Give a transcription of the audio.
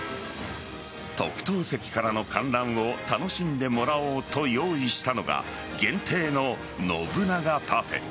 特等席からの観覧を楽しんでもらおうと用意したのが限定の信長パフェ。